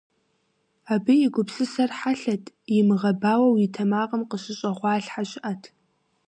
Абы и гупсысэр хьэлъэт, имыгъэбауэу и тэмакъым къыщыщӀэгъуалъхьэ щыӀэт.